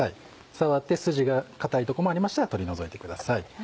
触って筋が硬いとこもありましたら取り除いてください。